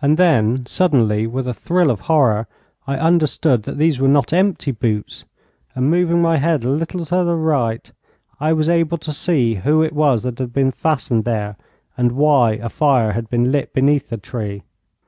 And then, suddenly, with a thrill of horror, I understood that these were not empty boots; and moving my head a little to the right, I was able to see who it was that had been fastened there, and why a fire had been lit beneath the tree.